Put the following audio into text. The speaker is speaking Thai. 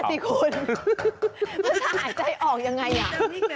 นั่นน่ะสิคุณมันจะหายใจออกยังไงอ่ะ